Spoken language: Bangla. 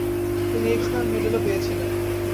তিনি এক্সনার মেডেলও পেয়েছিলেন।